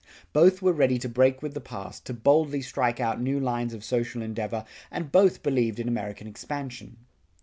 Both were ready to break with the past, to boldly strike out new lines of social endeavor, and both believed in American expansion.